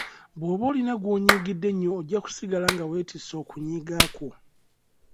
Bwoba olina gw'onyiigidde ennyo ojja kusigala nga wetisse okunyiiga okwo.